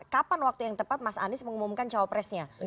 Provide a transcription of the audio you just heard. kapan waktu yang tepat mas anies mengumumkan cawapresnya